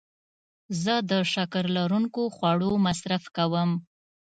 زه د شکر لرونکو خوړو مصرف کموم.